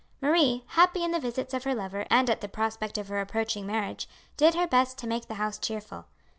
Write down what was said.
Marie, happy in the visits of her lover and at the prospect of her approaching marriage, did her best to make the house cheerful.